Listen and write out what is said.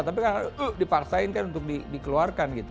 tapi dipaksain kan untuk dikeluarkan gitu